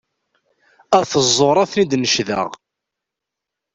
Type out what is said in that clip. At ẓẓur ad ten-id-necdeɣ.